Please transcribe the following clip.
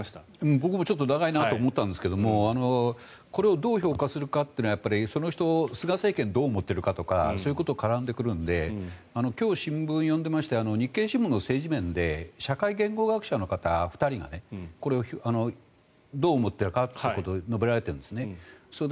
僕もちょっと長いなと思ったんですけどこれをどう評価するかというのはやっぱりその人菅政権をどう思っているかとかそういうことが絡んでくるので今日、新聞を読んでいまして日経新聞の政治面で社会言語学者の方２人がこれをどう思っているか述べられているんですね。